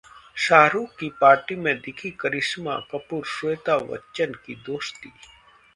शाहरुख की पार्टी में दिखी करिश्मा कपूर-श्वेता बच्चन की दोस्ती